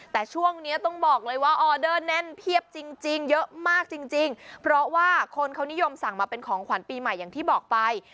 แต่ช่วงนี้ต้องบอกเลยว่าออเดอร์แน่นเพียบจริงเยอะมากจริงเพราะว่าคนเขานิยมสั่งมาเป็นของขวัญปีใหม่อย่างที่บอกไป